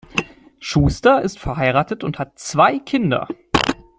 Schuster ist verheiratet und hat zwei Kinder.